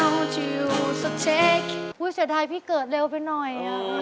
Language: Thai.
โอ้โฮสุดท้ายพี่เกิดเร็วไปหน่อย